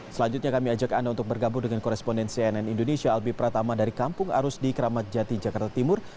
selanjutnya kami ajak anda untuk bergabung dengan koresponden cnn indonesia albi pratama dari kampung arus di keramat jati jakarta timur